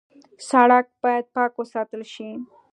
سړک باید پاک وساتل شي.